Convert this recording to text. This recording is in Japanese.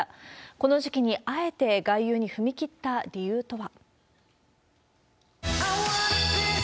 この時期にあえて外遊に踏み切った理由とは。